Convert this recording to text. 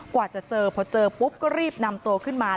กว่าจะเจอพอเจอปุ๊บก็รีบนำตัวขึ้นมา